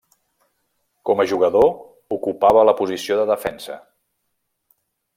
Com a jugador, ocupava la posició de defensa.